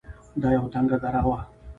دا يوه تنگه دره وه.